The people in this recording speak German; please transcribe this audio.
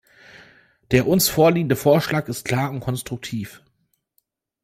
Der uns vorliegende Vorschlag ist klar und konstruktiv.